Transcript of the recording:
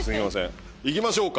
いきましょうか。